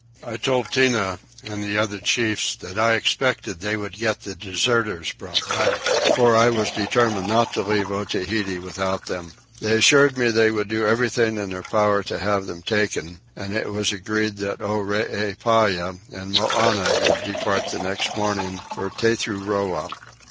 I told Tinah and the other chiefs that I expected they would get the deserters brought back; for that I was determined not to leave Otaheite without them. They assured me that they would do everything in their power to have them taken and it was agreed that Oreepyah and Moannah should depart the next morning for Tethuroa.